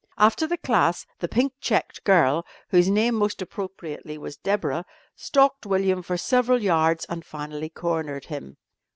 After the class the pink checked girl (whose name most appropriately was Deborah) stalked William for several yards and finally cornered him.